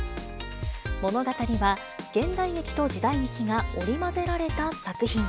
物語は現代劇と時代劇が織り交ぜられた作品。